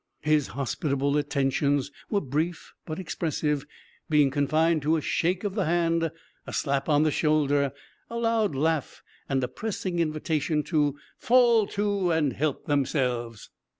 His hospitable attentions were brief, but expressive, being confined to a shake of the hand, a slap on the shoulder, a loud laugh, and a pressing invitation to "fall to and help themselves."